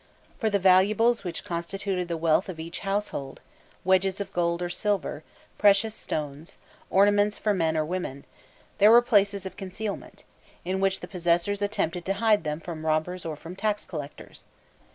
For the valuables which constituted the wealth of each household wedges of gold or silver, precious stones, ornaments for men or women there were places of concealment, in which the possessors attempted to hide them from robbers or from the tax collectors.